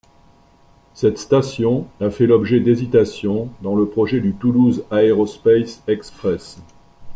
Cette station a fait l'objet d'hésitation dans le projet du Toulouse Aerospace Express.